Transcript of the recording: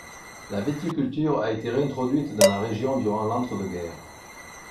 La viticulture a été réintroduite dans la région durant l'entre-deux-guerres.